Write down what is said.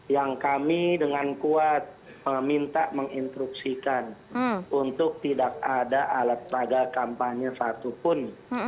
yang kami dengan kuat meminta menginstruksikan untuk tidak ada alat peraga kampanye satupun